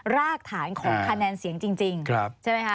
รากฐานของคะแนนเสียงจริงใช่ไหมคะ